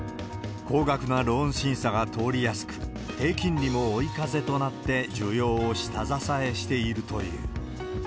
高額なローン審査が通りやすく、低金利も追い風となって、需要を下支えしているという。